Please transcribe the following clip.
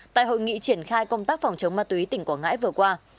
tại hội nghị triển khai công tác phòng chống ma túy tỉnh quảng ngãi vừa qua